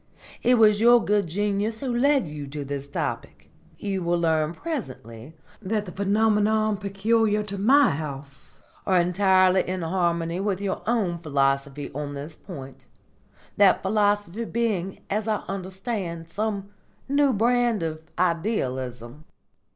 It was your good genius who led you to this topic. You will learn presently that the phenomena peculiar to my house are entirely in harmony with your own philosophy on this point, that philosophy being, as I understand, some new brand of Idealism."